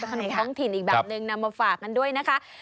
ขนมท้องถิ่นอีกแบบนึงนำมาฝากกันด้วยนะคะ